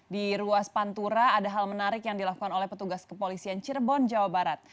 di ruas pantura ada hal menarik yang dilakukan oleh petugas kepolisian cirebon jawa barat